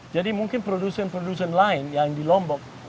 jadi mungkin produsen produsen lain yang di lombok